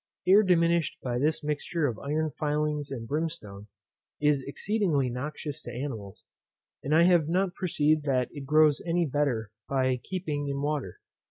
Air diminished by this mixture of iron filings and brimstone, is exceedingly noxious to animals, and I have not perceived that it grows any better by keeping in water.